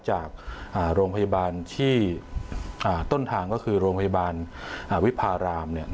จากโรงพยาบาลที่ต้นทางก็คือโรงพยาบาลวิพาราม